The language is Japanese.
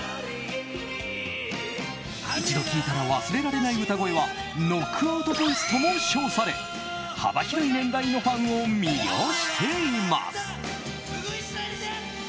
一度聴いたら忘れられない歌声はノックアウトボイスとも称され幅広い年代のファンを魅了しています。